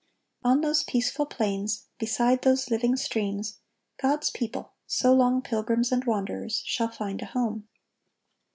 On those peaceful plains, beside those living streams, God's people, so long pilgrims and wanderers, shall find a home.